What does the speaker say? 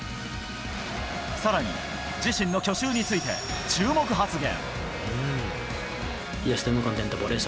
さらに、自身の去就について、注目発言。